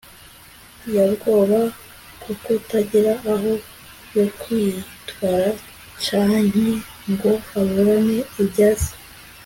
ybwoba kukutagira aho yokwitwara canke ngo aburane ivyase